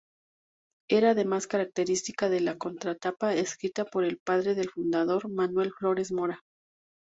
Era además característica la contratapa escrita por el padre del fundador, Manuel Flores Mora.